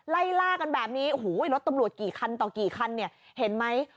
ไล่ล่ากันแบบนี้โอ้โหรถตำรวจกี่คันต่อกี่คันเนี่ยเห็นไหม